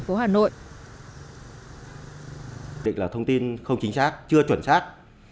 trung tâm khẳng định là thông tin không chính xác chưa chuẩn xác